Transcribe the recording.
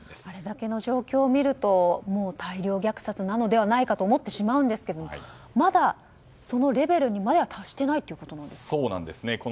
あれだけの状況を見るともう大量虐殺なのではないかと思ってしまうんですがまだ、そのレベルにまでは達してないということですか。